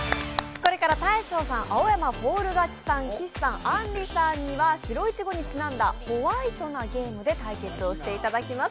これから大昇さん、青山フォール勝ちさん、岸さん、あんりさんには白いちごにちなんだホワイトなゲームで対決していただきます。